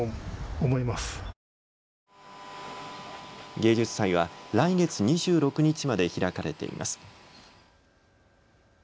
芸術祭は来月２６日まで開かれています。